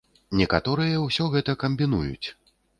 Некаторыя ўсё гэта камбінуюць.